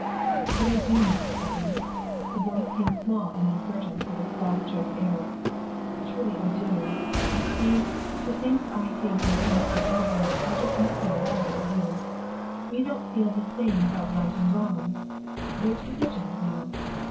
"But I do mean it, Eddy." Her voice came small and uncertain through the fog choked air. "Truly I do. You see, the things I hate and can't get over are just nothing at all to you. We don't feel the same about right and wrong.... There's religion, now.